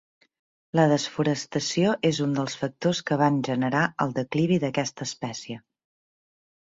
La desforestació és un dels factors que van generar el declivi d"aquesta espècie.